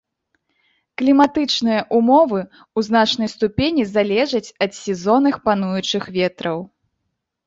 Кліматычныя ўмовы ў значнай ступені залежаць ад сезонных пануючых ветраў.